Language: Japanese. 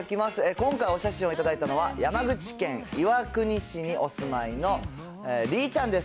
今回お写真を頂いたのは、山口県岩国市にお住まいのりーちゃんです。